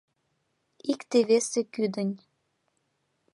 Икте-весе кӱдынь